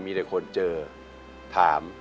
มีแต่คนเจอถาม